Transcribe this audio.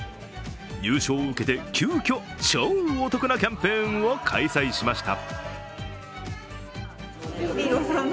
優勝を受けて、急きょ超お得なキャンペーンを開催しました。